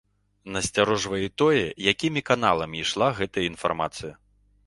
Насцярожвае і тое, якімі каналамі ішла гэтая інфармацыя.